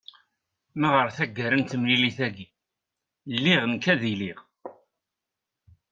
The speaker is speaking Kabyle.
ma ɣer tagara n temlilit-agi lliɣ nekk ad iliɣ